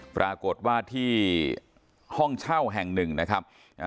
ปรากฏว่าที่ห้องเช่าแห่งหนึ่งนะครับ